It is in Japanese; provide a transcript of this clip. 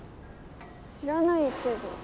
知らないけど。